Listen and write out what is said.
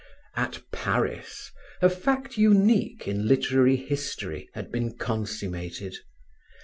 At Paris, a fact unique in literary history had been consummated.